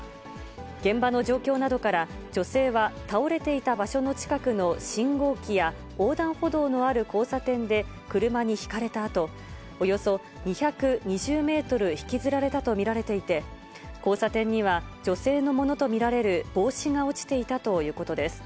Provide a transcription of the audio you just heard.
現場の状況などから、女性は倒れていた場所の近くの信号機や横断歩道のある交差点で車にひかれたあと、およそ２２０メートル引きずられたと見られていて、交差点には、女性のものと見られる帽子が落ちていたということです。